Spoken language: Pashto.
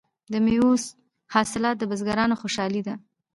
د میوو حاصلات د بزګرانو خوشحالي ده.